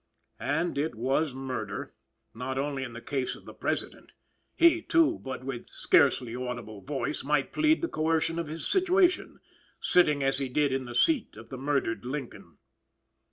And it was murder, not only in the case of the President; he, too, but with scarcely audible voice, might plead the coercion of his situation sitting as he did in the seat of the murdered Lincoln.